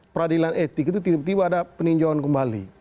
peradilan etik itu tiba tiba ada peninjauan kembali